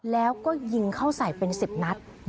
แล้วก็ยิงเข้าใส่เป็น๑๐นัด